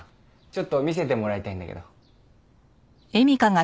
ちょっと見せてもらいたいんだけど。